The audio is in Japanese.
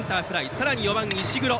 さらに４番の石黒。